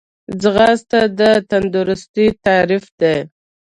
ځغاسته د تندرستۍ تعریف دی